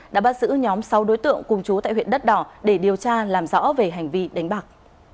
đã bắt giữ nhóm sáu đối tượng cùng chú tại huyện đất đỏ để điều tra làm rõ về hành vi đánh bạc